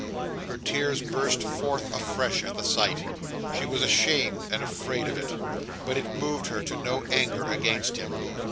Her tears burst forth afresh at the sight; she was ashamed and afraid of it; but it moved her to no anger against him.